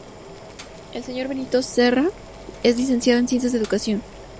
El señor Benito Serra es licenciado en Ciencias de la Educación.